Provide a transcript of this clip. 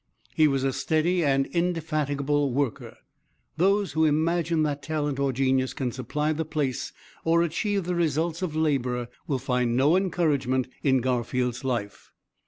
He was a steady and indefatigable worker. Those who imagine that talent or genius can supply the place or achieve the results of labor will find no encouragement in Garfield's life.